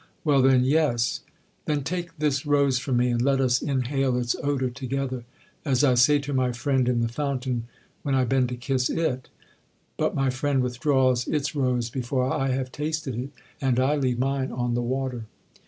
'—'Well then, yes.'—'Then take this rose from me, and let us inhale its odour together, as I say to my friend in the fountain, when I bend to kiss it; but my friend withdraws its rose before I have tasted it, and I leave mine on the water.